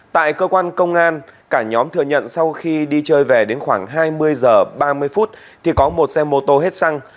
tại cơ quan công an cả nhóm thừa nhận sau khi đi chơi về đến khoảng hai mươi h ba mươi thì có một xe mô tô hết xăng